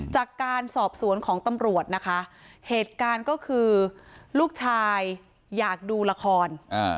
จากการสอบสวนของตำรวจนะคะเหตุการณ์ก็คือลูกชายอยากดูละคร